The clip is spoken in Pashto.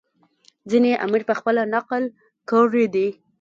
ځینې یې امیر پخپله نقل کړي دي.